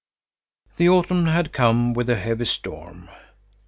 The autumn had come with a heavy storm.